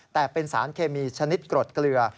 แต่เป็นสารเคมีชนิดกรดเกลือ